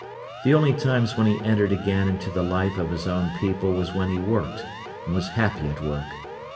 The only times when he entered again into the life of his own people was when he worked, and was happy at work.